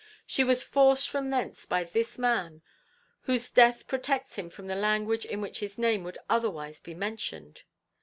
She was forced from thence by this man, whose death protects him from the language in which his name would otherwise be mentioned.